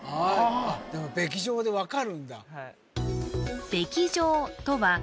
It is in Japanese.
でも冪乗で分かるんだは